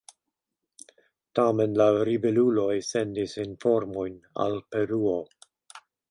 Tamen la ribeluloj sendis informojn al Peruo.